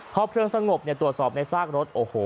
เพราะเครื่องสงบตรวจสอบในซากรถโอ้โห